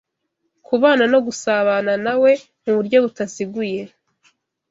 kubana no gusabana na we mu buryo butaziguye.